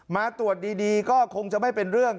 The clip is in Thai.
มาตรวจดีก็คงจะไม่เป็นเรื่อง